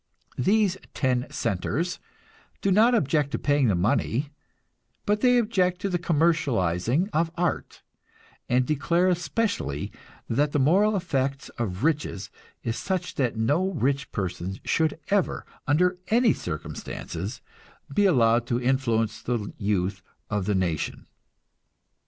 These "Ten centers" do not object to paying the money, but they object to the commercializing of art, and declare especially that the moral effect of riches is such that no rich person should ever, under any circumstances, be allowed to influence the youth of the nation.